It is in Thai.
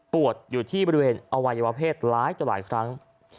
อยู่ที่บริเวณอวัยวะเพศร้ายต่อหลายครั้ง